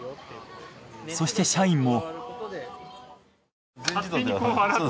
そして社員も。